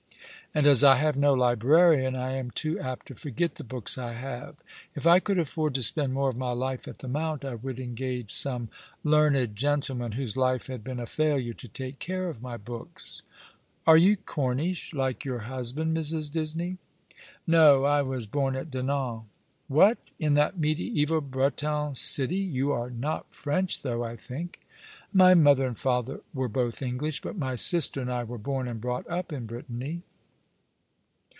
And as I have no librarian I am too apt to forget the books I have. If I could afford to spend more of my life at the Mount, I would engage some learned gentleman, whose life had been a failure, to take care of my books. Are you Cornish, like your husband, Mrs. Disney ?"" No. I was born at Dinan." " What ! in that mediaeval Breton city ? You are not French, though, I think ?"*' My mother and father were both English, but my sister and I were born and brought up in Brittany."